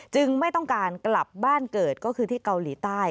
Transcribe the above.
ไม่ต้องการกลับบ้านเกิดก็คือที่เกาหลีใต้